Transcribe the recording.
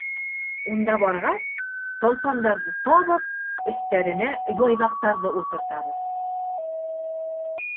Унда барғас, талпандарҙы табып, өҫтәренә Яйҙаҡтарҙы ултыртабыҙ.